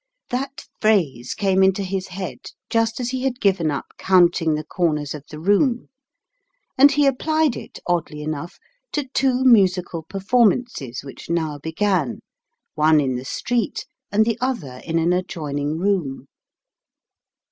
That phrase came into his head, just as he had given up counting the corners of the room ; and he applied it, oddly enough, to two musical perfor mances which now began, one in the street and the other in an adjoining room.